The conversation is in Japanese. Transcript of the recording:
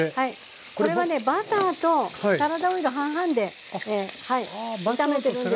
これはねバターとサラダオイル半々で炒めてるんですが。